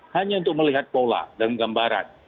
hanya untuk melihat pola dan gambaran